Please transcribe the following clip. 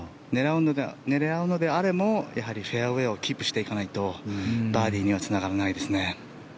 狙うのであってもやはりフェアウェーをキープしていかないとバーディーにはつながらないですね。